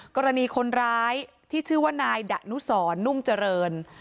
กรณีคนร้ายที่ชื่อว่านายดะนุสรนุ่มเจริญ